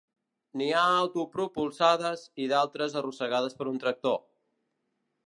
N'hi ha autopropulsades i d'altres arrossegades per un tractor.